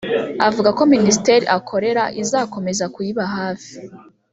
avuga ko Minisiteri akorera izakomeza kuyiba hafi